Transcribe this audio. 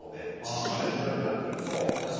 じじいがひどい目に遭ってるってね。